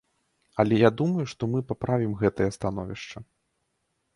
Але я думаю, што мы паправім гэтае становішча.